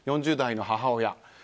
４０代の母親。